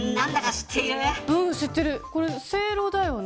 知ってる、これせいろだよね。